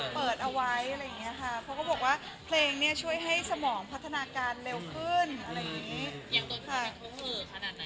เปิดเอาไว้อะไรอย่างนี้ค่ะเพราะก็บอกว่าเพลงเนี่ยช่วยให้สมองพัฒนาการเร็วขึ้นอะไรอย่างนี้